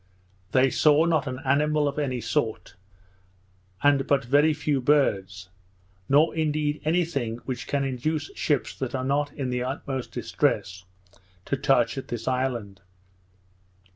They saw not an animal of any sort, and but very few birds; nor indeed any thing which can induce ships that are not in the utmost distress, to touch at this island.